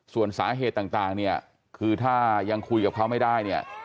ส่วนสาเหตุต่างเนี่ยคือถ้ายังคุยกับเขาไม่ได้เนี่ย